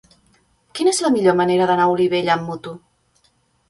Quina és la millor manera d'anar a Olivella amb moto?